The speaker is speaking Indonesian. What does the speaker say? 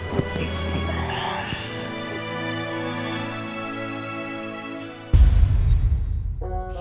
ya sayang alhamdulillah ya